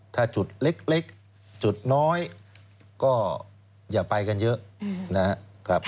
ถ้าจุดเล็กจุดน้อยก็อย่าไปกันเยอะนะครับ